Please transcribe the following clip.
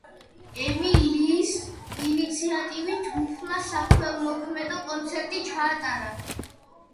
ემი ლის ინიციატივით ჯგუფმა საქველმოქმედო კონცერტი ჩაატარა.